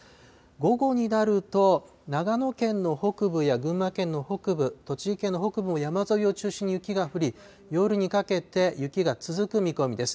午後になると、長野県の北部や群馬県の北部、栃木県の北部山沿いを中心に雪が降り、夜にかけて雪が続く見込みです。